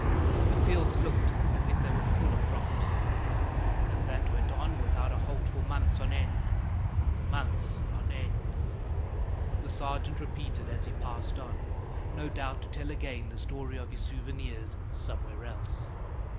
The fields looked as if they were full of rocks. And that went on without a halt for months on end, months on end!" the sergeant repeated as he passed on, no doubt to tell again the story of his souvenirs somewhere else.